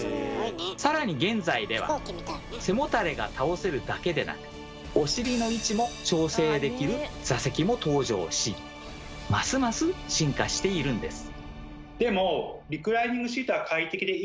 更に現在では背もたれが倒せるだけでなくお尻の位置も調整できる座席も登場しますます進化しているんです。